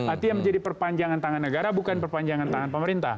artinya menjadi perpanjangan tangan negara bukan perpanjangan tangan pemerintah